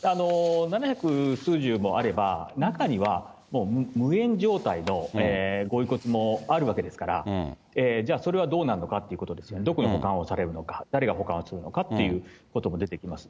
七百数十もあれば、中には、無縁状態のご遺骨もあるわけですから、じゃあそれはどうなるのかということですよね、どこに保管をされるのか、誰が保管をするのかっていうことも出てきます。